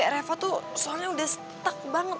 revo tuh soalnya udah stuck banget